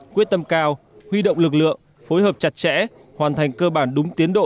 quyết tâm cao huy động lực lượng phối hợp chặt chẽ hoàn thành cơ bản đúng tiến độ